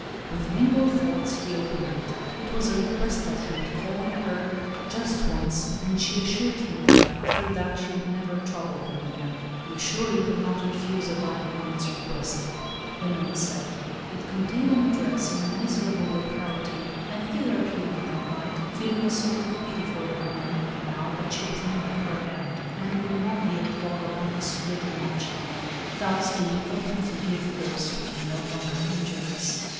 With mingled thoughts he opened it. It was a request that he would call on her, just once, and she assured him that, after that, she would never trouble him again. " You surely will not refuse a dying woman's request ?" the note said. It contained an address, in a miserable locality, and thither he went that night, feeling a sort of' pity for the woman, now that she was nearing her end, and could not be a clog upon his freedom much longer. Thus ALICE ; OR, THE WAGES OF SIN. 79 do we often forgive those who can no longer injure us.